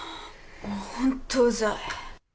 もう、本当、うざい。